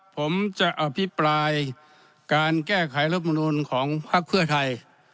ผมจะอภิปรายการแก้ไขรัฐมนุนของพักเพื่อไทย